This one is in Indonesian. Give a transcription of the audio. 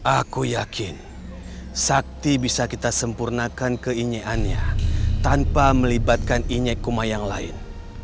aku yakin sakti bisa kita sempurnakan keinyekannya tanpa melibatkan inyek kumayang lain